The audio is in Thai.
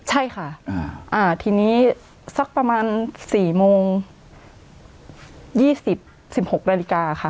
ใช่ค่ะอ่าทีนี้สักประมาณสี่โมงยี่สิบสิบหกนาฬิกาค่ะค่ะ